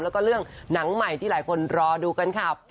แล้วก็เรื่องหนังใหม่ที่หลายคนรอดูกันค่ะ